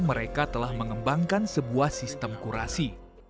mereka telah mengembangkan sebuah sistem kurasi